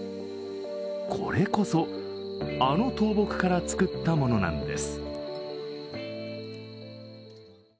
これこそ、あの倒木から作ったものなんです。